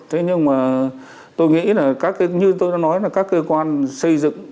thế nhưng mà tôi nghĩ là như tôi đã nói là các cơ quan xây dựng